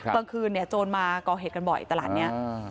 ตอนคืนโจรมากอเห็นกันบ่อยตลาดนี้